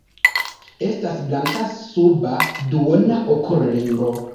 Estas blanka suba duona okulringo.